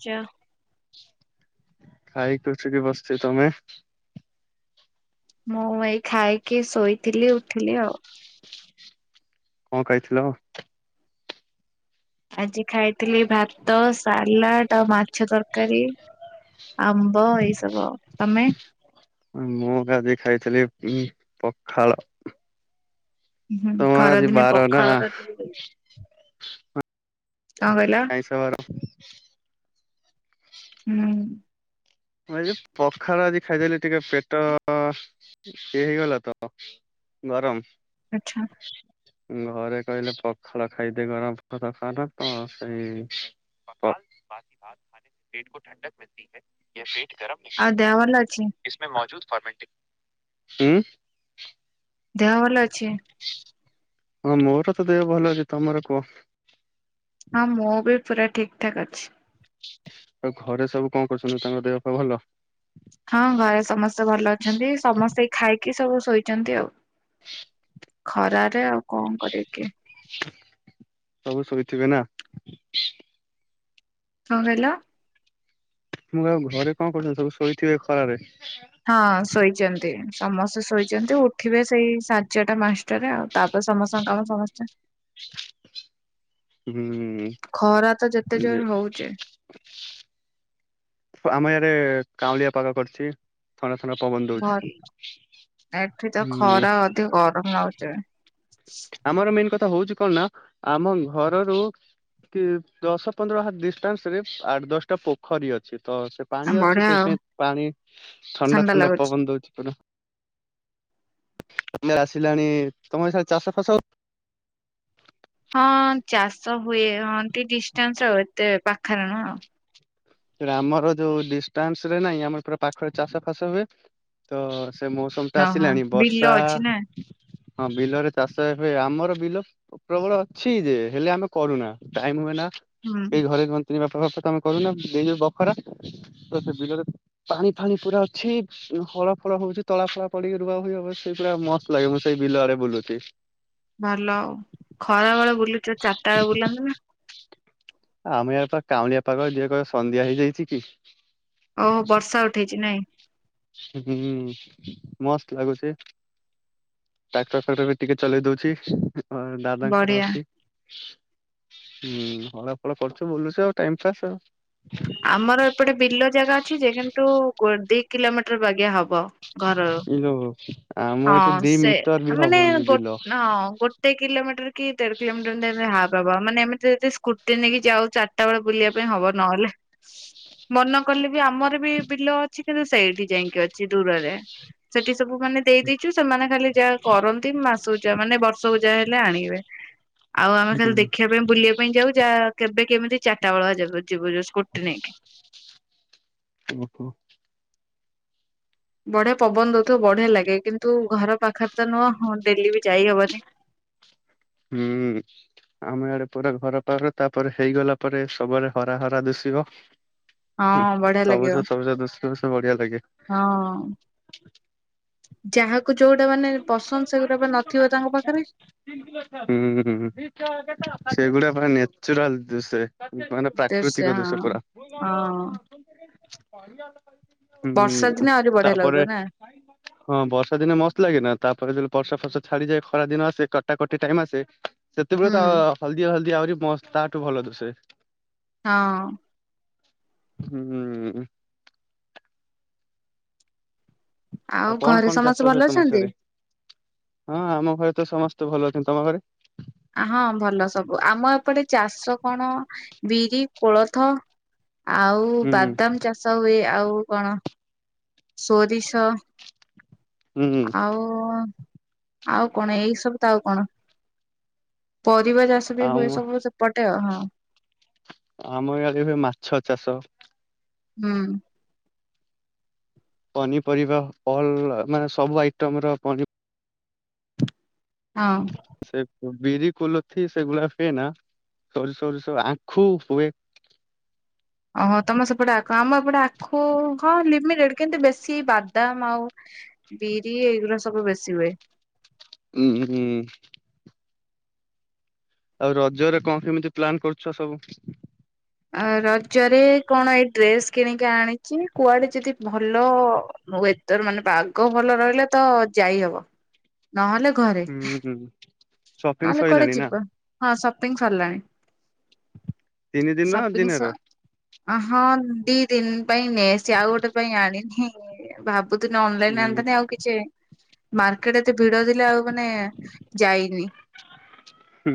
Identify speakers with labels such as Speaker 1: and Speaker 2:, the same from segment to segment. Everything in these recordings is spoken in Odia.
Speaker 1: କରୁଛ?
Speaker 2: ଖାଇକିଛ କି ବସିଛ ତମେ
Speaker 1: ମୁଁ ଏଇ ଖାଇକି ଶୋଇଥିଲି ଉଠିଲି ଆଉ
Speaker 2: କଣ କହିଥିଲ
Speaker 1: ଆଜି ଖାଇଥିଲି ଭାତ ତ ସାଲାଡ ଆ ମାଛ ତରକାରୀ ଆମ୍ବ ଏଇ ସବୁ ତମେ
Speaker 2: ମୁଁ ଆଜି ଖାଇଥିଲି ଉ ପଖାଳ
Speaker 1: ହୁଁ
Speaker 2: ତମର ଆଜି
Speaker 1: ଖରାଦିନେ
Speaker 2: ବାର ନା
Speaker 1: ପଖାଳର କଣ କଣ କହିଲା
Speaker 2: ସେବର
Speaker 1: ହୁଁ
Speaker 2: ମୁ ପଖାଳ ଆଜି ଖାଇଦେଲି ଟିକେ ପେଟ ସେଏ ହେଇଗଲା ତ ଗରମ
Speaker 1: ଆଚ୍ଛା
Speaker 2: ଘରେ କହିଲେ ପଖଳ ଖାଇଦି ଗରମ ପଖଳ ଖାାନ ତ ସେଇ ପକ ବାକି ହାତ ଖା ସେ ପେଟକୁ ଠଣ୍ଡକ ମିଳତି ହ ପିଠ ଗରମ ନଖ
Speaker 1: ଆଉ ଦେହ
Speaker 2: ସତା
Speaker 1: ଭଲ ଅଛି?
Speaker 2: ଏମେ ମୌଜୁଦ ଫର୍ମେଟିକ
Speaker 1: ଦେହ ଭଲ ଅଛି
Speaker 2: ହଁ ମୋର ତ ଦେହ ଭଲ ଅଛି ତମର କୁହ
Speaker 1: ହଁ ମୁଁ ବି ପୁରା ଠିକ ଠାକ୍ ଅଛି
Speaker 2: ଆଉ ଘରେ ସବୁ କଣ କରୁଛନ୍ତି ତାଙ୍କ ଦେହ ଭଲ
Speaker 1: ହଁ ଘରେ ସମସ୍ତେ ଭଲ ଅଛନ୍ତି ସମସ୍ତେ ଖାଇକି ସବୁ ଶୋଇଛନ୍ତି ଆଉ ଖରାାରେ ଆଉ କଣ କରିବିକଏ
Speaker 2: ସବୁ ଶୋଇଥିବେ ନା
Speaker 1: କ କଇଲ
Speaker 2: ପୁରା ଘରେ କଣ କରୁ ସବୁ ଶୋଇଥିବେ ଖରାରେ
Speaker 1: ହଁ ଶୋଇଛନ୍ତି ସମସ୍ତେ ଶୋଇଛନ୍ତି ଉଠିବେ ସେଇ ସାଞ୍ଚଟା ମାସ ଆଉ ତାପରେ ସମସ୍ତଙ୍କ କାମ ସମସ୍ତେ
Speaker 2: ହୁଁ
Speaker 1: ଖରା ତ ଯେତେ
Speaker 2: ଏହେ
Speaker 1: ଜୋର ହଉଚି
Speaker 2: ଆମ ୟାରେ କାଉାଉଁଳିଆ ପାଗ କରିଛି ଥଣ୍ଡା ଥଣ୍ଡା ପବନ ଦଉଛି
Speaker 1: ଭଲ ଏଠି ତ
Speaker 2: ହୁଁ
Speaker 1: ଖରା ଅଧିକ ଗରମ ହାଗଛି
Speaker 2: ଆମର ମେନ୍ କଥା ହଉଛି କଣ ନା ଆମ ଘରରୁ କି ଦଶ ପନ୍ଦର ହାର ଡିଷ୍ଟାନ୍ସ ରେ ଆଠ ଦଶଟା ପୋଖରୀ ଅଛି ତ ସେ
Speaker 1: ଆ
Speaker 2: ପାଣି ଅଛ
Speaker 1: ବଢିଆ ଆଉ
Speaker 2: ସେଇଥିାଇଁ ପାଣି ଥଣ୍ଡା ଥଣ୍ଡା ପବନ ଦଉଛି ପୁରା ତମରେ ଆସିଲାଣି ତମ ଏ ସା ଚାଷ ଫାସ
Speaker 1: ହଁ ଚାଷ ହୁଏ ହନ୍ତି ଡିଷ୍ଟଟାନ୍ସ ଆଉ ଏତେ ପାଖରେ ନୁହଁ ଆଉ
Speaker 2: ଆମର ଯୋଉ ଡିଷ୍ଟାନ୍ସ ରେ ନାଇଁ ଆମର ପୁରା ପାଖରେ ଚାଷ ଫାସ ହୁଏ ତ ସେ ମୌସମ ଟା
Speaker 1: ଓହୋ
Speaker 2: ଆସିଲାଣି
Speaker 1: ବିଲ
Speaker 2: ବର୍ଷା
Speaker 1: ଅଛି ନା
Speaker 2: ହଁ ବିଲରେ ଚାଷ ଏବେ ଆମର ବିଲ ପ୍ରବଳ ଅଛି ଯେ ହେଲେ ଆମେ କରୁନା ଟାଇମ ହୁଏ ନା
Speaker 1: ହୁଁ
Speaker 2: ଏଇ ଘରେେ ତିନି ବାପା ଫପା ତ ଆମେ କରୁନା ଯୋଉ ବଖରା ତ ସେ ପାଣି ଫାଣି ପୁରା ଅଛି ହଳ ଫଳ ହଉଛି ତଳା ଫଳା ପଡିକି ରୁଆ ହ ହବ ସେଇ ପୁରା ମସ୍ତ ଲାଗେ ମୁଁ ସେଇ ବିଲଆରେ ବୁଲୁଛି
Speaker 1: ଭଲ ଆଉ ଖରା ବେଳେ ବୁଲୁଚ ଚାରିଟା ବେଳେ ବୁଲାନ୍ତୁ ନା
Speaker 2: ଆମେ ୟ ପାଖ କାଉଁଳିଆ ପାଖ ଯିଏ କହ ସନ୍ଧ୍ୟା ହେଇଯାଇଛି କି
Speaker 1: ଓହୋ ବର୍ଷା ଉଠେଇଛି ନାଇଁ
Speaker 2: ହୁଁ ମସ୍ତ ଲାଗୁଚ ଟାକ୍ଟର ଫାକ୍ଟର ଟିକେ ଚଲେଇ ଦଉଛି ଆ ଦାଦାଙ୍କର
Speaker 1: ବଢିଆ
Speaker 2: ଅଛି ହୁଁ ହଳା ଫଳ କରୁଛୁ ବୁଲୁଛୁ ଆଉ ଟାଇମ ପାସ୍ ଆଉ
Speaker 1: ଆମର ଏପଟେ ବିଲ ଜାଗା ଅଛି ଯେ କିନ୍ତୁ ଦି କିଲୋମିଟର ବାଗଆ ହବ ଘରରୁ
Speaker 2: ଏଇ ଯୋଉ ଆମ ଏଠି
Speaker 1: ହଁ
Speaker 2: ଦି
Speaker 1: ସେ
Speaker 2: ମିଟର ବି
Speaker 1: ମାନେ
Speaker 2: ହବନି
Speaker 1: ଗୋ
Speaker 2: ବିଲ
Speaker 1: ହଁ ଗୋ ଗୋଟେ କିଲୋମିଟର କି ଦେଢ କିଲୋମିଟର ହ ବାବା ମାନେ ଆମେ ଯଦି ସ୍କୁଟି ନେଇକି ଯାଉ ସେତେବେଳେ ବୁଲିବା ପାଇଁ ହବ ନହେଲେ ମନେ କଲେ ବି ଆମର ବି ବିଲ ଅଛି କିନ୍ତୁ ସେଇଠି ଯାଇକି ଅଛି ଦୂରରେ ସେଠି ସବୁ ମାନେ ଦେଇେଇଛୁ ସେମାନେ ଖାଲି ଯାହା କରନ୍ତି ମାସଉଜା ମାନେ ବର୍ଷକୁ ଯା ହେଲେ ଆଣିବେ ଆଉ ଆମେ ଖାଲି ଦେଖିବା ପାଇଁ ବୁଲି ପାଇଁ ଯାଉ ଯାହା କେବେ କେମିତି ଚାରଟା ବେଳ ଯିବୁ ଯିବୁ ଯୁ ସ୍କୁଟି ନେଇକି।
Speaker 2: ଓହୋ [unintelligible]
Speaker 1: ବଢିଆ ପବନ ଦଉଥିବ ବଢିଆ ଲାଗେ କିନ୍ତୁ ଘର ପାଖରେ ତ ନୁହଁ ହଁ ଡେଲି ବି ଯାଇହବନି।
Speaker 2: ହୁଁ। ଆମେ ଆଡେ ପୁରା ଘର ପାଖ ତାପରେ ହେଇଗଲା ପରେ ସବୁ ଆଡ଼େ ହରା ହରା ଦିଶିବ। ହୁଁ
Speaker 1: ହଁ ବଢିଆ ଲାଗିବ।
Speaker 2: ସବୁଜ ସବୁଜ ଦୁଷିବ ସବୁ ବଢିଆ ଲାଗିବ।
Speaker 1: ହଁ ଯାହା ଯୋଉଟା ମାନେ ପସନ୍ଦ ସେଗୁଟା ନଥିବ ତାଙ୍କ ପାଖରେ।
Speaker 2: ହୁଁ ହୁଁ ସେଗୁଡା ପରା ନ୍ୟାଚୁରାଲ ଦୁଶେ। ମାନେ
Speaker 1: ଦେ ସେ
Speaker 2: ପ୍ରାକୃତିକ ଦୁଶ୍ୟା
Speaker 1: ହଁ।
Speaker 2: ପୁରା।
Speaker 1: ହଁ ବର୍ଷା
Speaker 2: ହୁଁ
Speaker 1: ଦିନେ ଆହୁରି ବଢିଆ ଲାଗୁଥିବ
Speaker 2: ତାପରେ
Speaker 1: ନା
Speaker 2: ହଁ ବର୍ଷା ଦିନେ ମସ୍ତ ଲାଗେ ନା ତାପରେ ଯେବେ ବର୍ଷା ଫର୍ସ ଛାଡିଯାଏ। ଖରା ଦିନ ଆସେ କଟାକଟି ଟାଇମ ଆସେ ସେତେଳେ
Speaker 1: ହୁଁ
Speaker 2: ତ ହଳଦିଆ ହଳଦି ଆହୁରି ମସ୍ତ ତାଠୁ ଭଲ ଦୁସେ।
Speaker 1: ହଁ।
Speaker 2: ହୁଁ ହୁଁ। ଆଉ କଣ
Speaker 1: ଘରେ
Speaker 2: କଣ
Speaker 1: ସମସ୍ତେ
Speaker 2: ଚାଷ
Speaker 1: ଭଲ
Speaker 2: ହୁଏ ତମ
Speaker 1: ଅଛନ୍ତି?
Speaker 2: ସିଆଡେ? ହଁ ଆମ ଘରେ ତ ସମସ୍ତେ ଭଲ ଅଛନ୍ତି ତମ ଘରେ?
Speaker 1: ହଁ ଭଲ ସବୁ ଆମ ଏପଟେ ଚାଷ କଣ ବିରି କୋଳଥ ଆଉ
Speaker 2: ହୁଁ
Speaker 1: ବାଦାମ ଚାଷ ହୁଏ। ଆଉ କଣ ସୋରିଷ
Speaker 2: ହୁଁ
Speaker 1: ଆଉ ଆଉ କଣ ଏଇ ସବୁ ତ ଆଉ କଣ? ପରିବା ଚାଷ ବି
Speaker 2: ଆମ
Speaker 1: ହୁଏ ସବୁ ସେପଟେ ହଁ।
Speaker 2: ଆମ ଇଆଡ଼େ ବି ମାଛ ଚାଷ।
Speaker 1: ହୁଁ।
Speaker 2: ପନିପରିବା ଫଲ ମାନେ ସବୁ ଆଇଟମ୍ ର ପନି
Speaker 1: ହଁ।
Speaker 2: ସେ ବିରି କୋଲଥି ସେଗୁଡା ହୁଏ ନା। ଷୋରିଷ ଫୋରିଶ ଆଖୁ ହୁଏ।
Speaker 1: ଓହୋ ତମେ ସେପଟେ ଆଖୁ ଆମ ଏପଟେ ଆଖୁ ହଁ ଲିମିଟେଡ କିନ୍ତୁ ବେଶୀ ବାଦାମ ଆଉ ବିରି ଏଇଗୁରା ସବୁ ବେଶୀ ହୁଏ।
Speaker 2: ଉଁ ହୁଁ। ଆଉ ରଜରେ କଣ କେମିତି ପ୍ଲାନ କରୁଛ ସବୁ?
Speaker 1: ଅ ରଜରେ କଣ ଏଇ ଡ୍ରେସ କିଣିକି ଆଣିଛି କୁଆଡେ ଯଦି ଭଲ ମୁଁ ଏଥର ମାନେ ପାଗ ଭଲ ରହିଲେ ତ ଯାଇହବ। ନହେଲେ ଘରେ
Speaker 2: ହୁଁ ହୁଁ ସପିଂ
Speaker 1: ନହେଲେ କୁଆଡେ
Speaker 2: ସଇଲାଣି ନା
Speaker 1: ଯିବା ହଁ ସପିଙ୍ଗ ସରିଲାଣି।
Speaker 2: ତିନି ଦିନ
Speaker 1: ସପିଙ୍ଗ୍ ଶ୍
Speaker 2: ଦିନେର?
Speaker 1: ଅ ହଁ ଦି ଦିନ ପାଇଁ ନେଇଆସିଛି ଆଉ ଗୋଟେ ପାଇଁ ଆଣିନି। ଭାବୁ ପୁ ଦିନି
Speaker 2: ହୁଁ
Speaker 1: ଅନଲାଇନ ଆଣିଥାନ୍ତି ଆଉ କିଛି ମାର୍କେଟ ଏତେ ଭିଡ ଥିଲେ ଆଉ ମାନେ ଯାଇନି।
Speaker 2: ହୁଁ।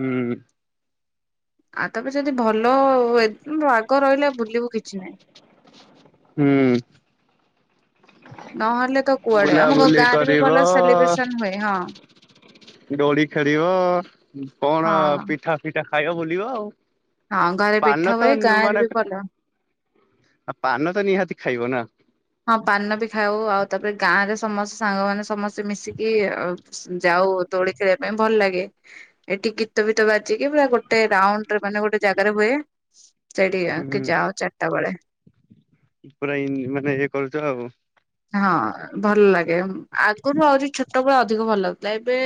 Speaker 1: ଆଉ ତାପ ଯଦି ଭଲ ୱେ ପାଗ ରହିଲେ ବୁଲିବୁ କିଛି ନାହିଁ।
Speaker 2: ହୁଁ।
Speaker 1: ନହେଲେ ତ କୁଆଡେ ଆମ
Speaker 2: ବୁଲାବୁଲି
Speaker 1: ଗାଁରେ ବି
Speaker 2: କରିବ
Speaker 1: ଭଲ ସେଲିବ୍ରେସନ ହୁଏ। ହଁ।
Speaker 2: ଦୋଡି ଖେଳିବ କଣ
Speaker 1: ହଁ।
Speaker 2: ପିଠା ଫିଠା ଖାଇବ ବୁଲିବ ଆଉ।
Speaker 1: ହଁ ଘରେ
Speaker 2: ପାନ
Speaker 1: ପିଠା
Speaker 2: ତ
Speaker 1: ହୁଏ ଗାଁ ରେ ବି ଭଲ
Speaker 2: ଆଉ ପାନ ତ ନିହାତି ଖାଇବ ନା?
Speaker 1: ହଁ ପାନ ବି ଖାଉ ଆଉ ତାପରେ ଗାଁ ରେ ସମସ୍ତ ସାଙ୍ଗମାନେ ସମସ୍ତେ ମିଶିକି ଯାଉ ଦୋଳି ଖେଳିବା ପାଇଁ ଭଲ ଲାଗେ। ଏଠି ଗୀତ ଫୀତ ବାଜିକି ପୁରା ଗୋଟେ ରାଉଣ୍ଡରେ ମାନେ ଗୋଟେ ଜାଗାରେ ହୁଏ। ସେଠିକ
Speaker 2: ହୁଁ।
Speaker 1: ଆ ଯାଅ ଚାରିଟା ବେଳେ।
Speaker 2: ପୁରା ଇ ମାନେ ଇଏ କରୁଛ ଆଉ।
Speaker 1: ହଁ ଭଲ ଲାଗେ ଆଗରୁ ଆହୁରି ଛୋଟବେଳେ ଅଧିକ ଭଲ ଲାଗୁଥିଲା। ଏବେ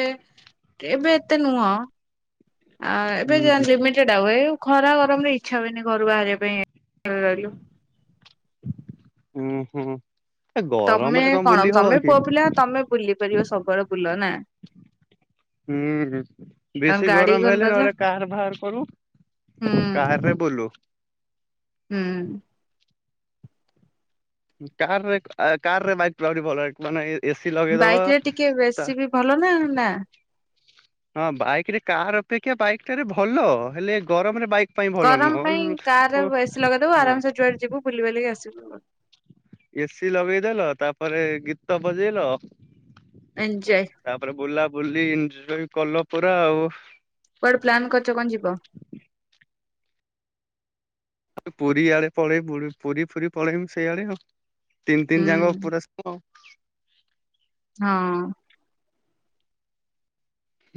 Speaker 1: ଏବେ ଏତେ ନୁହଁ ଆ ଏବେ
Speaker 2: ହୁଁ
Speaker 1: ଯାନ୍ତି ମି ସେଟା ହୁଏ ଖରା ଗରମରେ ଇଚ୍ଛା ହୁଏନି ଘରୁ ବାହାରିବା ପାଇଁ [inaudible] ରହିଲୁ।
Speaker 2: ହୁଁ ହୁଁ। ଏ
Speaker 1: ତମେ
Speaker 2: ଗରମରେ
Speaker 1: କଣ
Speaker 2: ବୁଲି ହବ
Speaker 1: ତମେ
Speaker 2: କି
Speaker 1: ପୁଅ ପିଲା ତମେ ବୁଲି ପାରିବ ସବୁବେଳେ ବୁଲ ନା।
Speaker 2: ହୁଁ
Speaker 1: ତମ
Speaker 2: ବେଶୀ
Speaker 1: ଗାଡି
Speaker 2: ଗରମ ହେଲେ
Speaker 1: ଗଲଦଲା
Speaker 2: ନହେଲେ କାର ବାହାର କରୁ।
Speaker 1: ହୁଁ
Speaker 2: କାରରେ ବୁଲୁ।
Speaker 1: ହୁଁ।
Speaker 2: କାରରେ କାରରେ ବାଇକ୍ ଠୁ ଆହୁରି ଭଲ ମାନେ ଇଏ ଏସି ଲଗେଇଦବ
Speaker 1: ବାଇକ ରେ ଟିକେ
Speaker 2: ତା
Speaker 1: ବେଶୀ ବି ଭଲ ନା ନା।
Speaker 2: ହଁ ବାଇକ ରେ କାର ଅପେକ୍ଷା ବାଇକ୍ ଟାରେ ଭଲ ହେଲେ ଗରମରେ ବାଇକ୍
Speaker 1: ଗରମ ପାଇଁ କାର ଏସି ଲଗେଇ ଦବୁ
Speaker 2: ହଁ
Speaker 1: ଆରାମସେ ଯୁଆଡେ ଯିବୁ ବୁଲି ବାଲିକି ଆସିବୁ।
Speaker 2: ଏସିି ଲଗେଇଦେଲ ତାପରେ ଗୀତ ବଜେଇଲ।
Speaker 1: ଏଞ୍ଜୟେ। ଏଂଯାଏ।
Speaker 2: ତାପରେ ବୁଲା ବୁଲି ଏଂଯାଏ କଲ ପୁରା ଆଉ।
Speaker 1: କୁଆଡେ ପ୍ଳାନ୍ କରିଛ କଣ ଯିବ।
Speaker 2: ପୁରୀ ଆଡେ ପଳେଇ ପୁରୀ ଫୁରୀ ପଳେଇବୁ ସେଇଆଡେ ଆଉ। ତିନି
Speaker 1: ହୁଁ।
Speaker 2: ତିନି ଯାଙ୍କ ପୁରା
Speaker 1: ହଁ।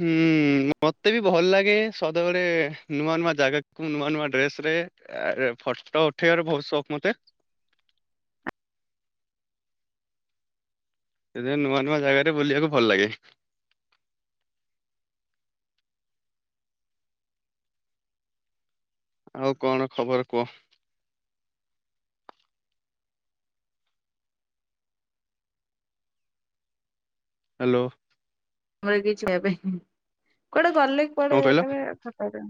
Speaker 2: ହୁଁ। ମୋତେ ବି ଭଲ ଲାଗେ ସଦାବେଳେ ନୂଆ ନୂଆ ଜାଗାକୁ ନୂଆ ନୂଆ ଡ୍ରେସରେ। ଆରେ ଫଟୋ ଉଠେଇବାର ବହୁତ ସକୋ ମତେ। ସେଥିପାଇଁ ନୂଆ ନୂଆ ଜାଗାରେ ବୁଲିବାକୁ ଭଲ ଲାଗେ। ଆଉ କଣ ଖବର କୁହ। ହାଲୋ।
Speaker 1: ଆମର କିଛି [inaudible] କୁଆଡେ ଗଲେ
Speaker 2: କଣ କହିଲ?
Speaker 1: କଆଡେ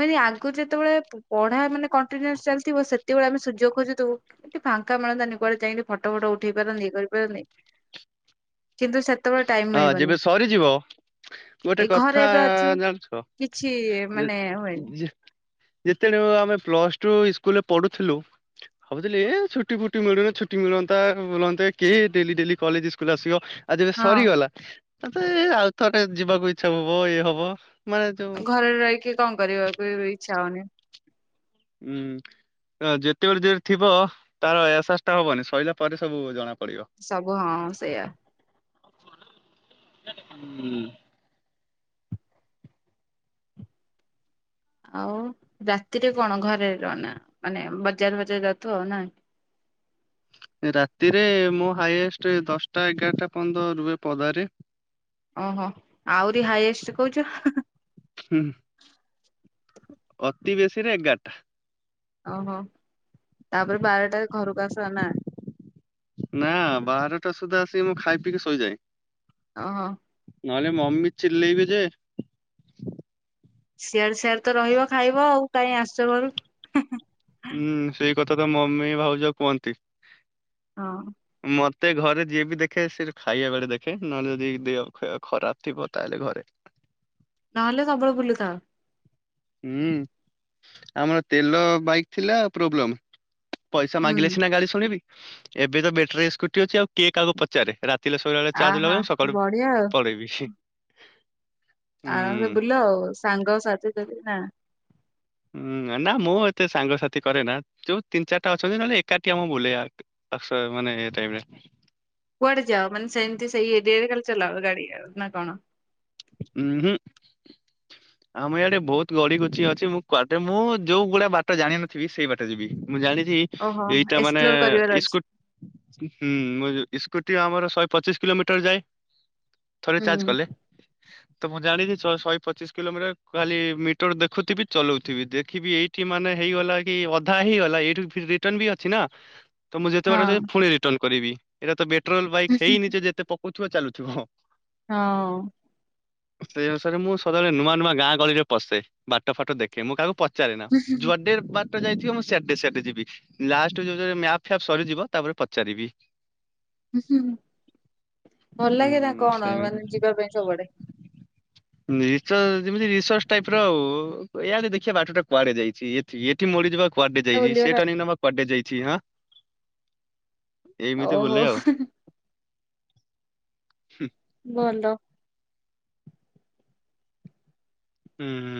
Speaker 1: ମାନେ ଆଗରୁ ଯେତେବେଳେ ପଢା ମାନେ କଣ୍ଟିନ୍ୟୁସ ଚାଲିଥିବ ସେତେବେଳେ ଆମେ ସୁଯୋଗ ଖୋଜୁଥିବୁ। ଏଠି ଫାଙ୍କା ମିଳନ୍ତାନି କୁଆଡେ ଯାଇକି ଫଟୋ ଫଟୋ ଉଠେଇ ପାରନ୍ତି ଇଏ କରିପାରନ୍ତି।
Speaker 2: [inaudible]
Speaker 1: କିନ୍ତୁ ସେତେବେଳେ ଟାଇମ
Speaker 2: ହଁ ଯେବେ ସରିଯିବ। ଗୋଟେ
Speaker 1: ଏଇ ଘରେ
Speaker 2: କଥା
Speaker 1: ଏବେ ଅଛୁ
Speaker 2: ଜାଣିଛ
Speaker 1: କିଛି ମାନେ ହୁଏନି
Speaker 2: ଯେ ଯେତେବେଳେ ଆମେ ପ୍ଲସଟୁ ସ୍କୁଲରେ ପଢୁଥିଲୁ। ଭାବୁଥିଲି ଛୁଟି ଫୁଟି ମିଳୁନି ଛୁଟି ମିଳନ୍ତା ବୁଲନ୍ତେ କେଏ ଡେଲି ଡେଲି କଲେଜ ସ୍କୁଲ ଆସିବ ଆଜି
Speaker 1: ହଁ
Speaker 2: ସରିଗଲା ତ ଆଉ ଥରେ ଯିବାକୁ ଇଚ୍ଛା ହବ ଇଏ ହବ। ମାନେ ଯୋଉ
Speaker 1: ଘରେରେ ରହିକି କଣ କରିବା ବାଳେବେଳେ ଇଚ୍ଛା ହଉନି?
Speaker 2: ହୁଁ। ଯେତେବେଳେ ଯେ ଥିବ ତାର ଏସାସ ହବନି ସରିଲା ପରେ ସବୁ ଜଣା ପଡିବ।
Speaker 1: ସବୁ ହଁ ସେଇଆ।
Speaker 2: ହୁଁ।
Speaker 1: ଆଉ ରାତିରେ କଣ ଘରେ ରୁହନା ମାନେ ବଜାର ବଜାର ଯାଉଥୁ ନା।
Speaker 2: ରାତିରେ ମୁଁ ହାଇଏଷ୍ଟ ଦଶଟା ଏଗାରଟା ପର୍ଯ୍ୟନ୍ତ ରୁହେ ପଦାରେ।
Speaker 1: ଓହୋ ଆହୁରି ହାଇଏଷ୍ଟ କହୁଛ।
Speaker 2: ହୁଁ ଅତି ବେଶୀରେ ଏଗାରଟା।
Speaker 1: ଓହୋ ତାପରେ ବାରଟା ଘରକୁ ଆସ ନା।
Speaker 2: ନା ବାହାରଟା ସୁଦ୍ଧା ଆସିକି ମୁଁ ଖାଇ ପିଇକି ଶୋଇଯାଏ।
Speaker 1: ଓହୋ।
Speaker 2: ନହେଲେ ମମି ଚିଲଲେଇବେ ଯେ।
Speaker 1: ସିଆଡେ ସିଆଡେ ତ ରହିବ ଖାଇବ ଆଉ କାହିଁ ଆସଛ ଘରକୁ।
Speaker 2: ହୁଁ ସେଇ କଥା ତ ମମି ଭାଉଜ କୁହନ୍ତି
Speaker 1: ହଁ
Speaker 2: ମ ମତେ ଘରେ ଯିଏ ବି ଦେଖେ ସେ ଖାଇବା ବେଳେ ଦେଖେ ନହେଲେ ଯଦି ଦେହ ଫିଅ ଖରାପ ଥିବ ତାହେଲେ ଘରେ।
Speaker 1: ନହଲେ ସବୁବେଳେ ବୁଲିଥାଉ।
Speaker 2: ହୁଁ ଆମର ତେଲ ବାଇକ୍ ଥିଲା ପ୍ରୋବ୍ଲେମ ପଇସା
Speaker 1: ହୁଁ
Speaker 2: ମାଗିଲେ ସିନା ଗାଡି ଶୁଣିବି ଏବେ ତ ବେଟରୀ ସ୍କୁଟି ଅଛି ଆଉ କେ କାହାକୁ ପଚାରେ ରା ସବୁ ବେଳେ ଚାଜ
Speaker 1: ଆହା
Speaker 2: ଲଗେଇବ ସକାଳୁ
Speaker 1: ବଢିଆ ଆଉ
Speaker 2: ପଳେଇବି।
Speaker 1: ଆରାମସ
Speaker 2: ହୁଁ
Speaker 1: ବୁଲ ଆଉ ସାଙ୍ଗ ସାଥି ଯଦି ନା
Speaker 2: ହୁଁ ନା ମୁଁ ଏତେ ସାଙ୍ଗସାଥି କରେ ନା ଯୋଉ ତିନି ଚାରଟା ଅଛନ୍ତି ନହେଲେ ଏକାଠି ଆମ ବୁଲେ ଆକ୍ସ ମାନେ ଏ ଟାଇପରେ
Speaker 1: କୁଆଡେ ଯାଅ ମାନେ ସେମିତି ସେଇଡରେ ଖାଲି ଚଲାଅ ଗାଡି ନା କଣ?
Speaker 2: ଉ ହୁଁ ଆଉ ମୁଁ ଇଆଡେ ବହୁତ ଗଡି କୁଚି ଅଛି ମୁଁ କୁଆେ ମୁଁ ଯୋଉ ଗୁଡଆ ବାଟ ଜାଣିିନଥିବି ସେଇ ବାଟ ଯିବି ମୁଁ ଜାଣିଛି
Speaker 1: ଓହୋ
Speaker 2: ଏଇଟା ମାନେ
Speaker 1: ଏକ୍ସପ୍ଲୋର କରିବାର ଅଛି
Speaker 2: ସ୍କୁ ହୁଁ ସ୍କୁଟି ଆମର ଶହେ ପଚିଶ କିଲୋମିଟର ଯାଏ। ଥରେ
Speaker 1: ହୁଁ
Speaker 2: ଚାର୍ଜ କଲେ। ତ ମୁଁ ଜାଣିଛି ଶହେ ପଚିଶ କିଲୋମିଟର ଖାଲି ମିଟର ଦେଖୁଥିବି ଚଲଉଥିବି ଦେଖିବି ଏଇଠ ଠି ମାନେ ହେଇଗଲା କି ଅଧା ହେଇଗଲା ଏଇଠୁ ରିଟର୍ଣ ବି ଅଛି ନା ତ ମୁଁ ଯେତେବେଳେ
Speaker 1: ହଁ
Speaker 2: ପୁଣି ରିଟର୍ନଣ କରିବି ଏଟା ତ ପେଟ୍ରୋଲ ବାଇକ୍ ହେଇନି ଯେତେ ପଉଥିବ ଚାଲୁଥିବ।
Speaker 1: ହଁ
Speaker 2: ସେଇ ଅନୁସାରେ ମୁଁ ସଦାବେଳେ ନୂଆ ନୂଆ ଗାଁ ଗଳିରେ ପଶେ ବାଟ ଫାଟ ଦେଖେ ମୁଁ କାହାକୁ ପଚେ ଚାାର ନା ଜୁଆାରଡର ବା ଯାଇଥିବ ମୁଁଡେଡେ ଯିବି ଲାଷ୍ଟ ଯୋଉ ମପ ଫପ ସରିଯିବ ତାପରେ ପଚାରିବି
Speaker 1: ଭଲ ଲାଗେ ନା
Speaker 2: ଉଁ
Speaker 1: କଣ
Speaker 2: ସେମିତି
Speaker 1: ମାନେ ଯିବା ପାଇଁ ସବୁଆଡେ
Speaker 2: ରଚ ଯେମିତି ରିସର୍ଚ ଟାଇପ ର ଆଉ ଏଇ ଦେଖିବା ବାଟଟା କୁଆଡେ ଯାଇଛି ଏଠି ମରିଯିବା କୁଆଡେ ଯାଇଛି
Speaker 1: ବୁଲିବାର
Speaker 2: ସେଟା ନି ନମା କୁଆଡେ ଯାଇଛି ହଁ ଏମିତି
Speaker 1: ଓହୋ
Speaker 2: ବୁଲେ ଆଉ
Speaker 1: ବନ୍ଦ
Speaker 2: ହୁଁ